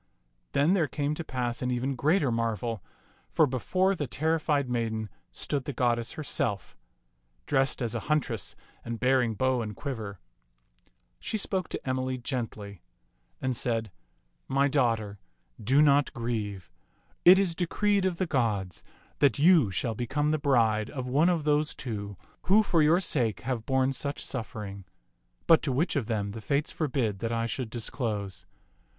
Then there came to pass an even greater marvel, for before the terrified maiden stood the goddess herself, dressed as a huntress and bearing bow and quiver. She spoke to Emily gently and said. 38 t^^ J^nxs^fB taU " My daughter, do not grieve. It is decreed of the gods that you shall become the bride of one of those two who for your sake have borne such suffering ; but to which of them the Fates forbid that I should disclose.